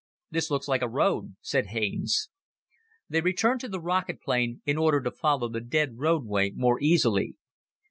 "This looks like a road," said Haines. They returned to the rocket plane in order to follow the dead roadway more easily.